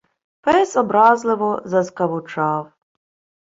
Пес образливо заскавучав